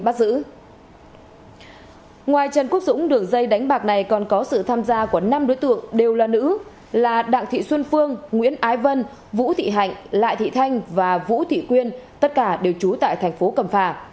ngoài trần quốc dũng đường dây đánh bạc này còn có sự tham gia của năm đối tượng đều là nữ là đặng thị xuân phương nguyễn ái vân vũ thị hạnh lại thị thanh và vũ thị quyên tất cả đều trú tại thành phố cẩm phả